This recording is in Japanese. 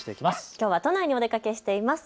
きょうは都内にお出かけしています。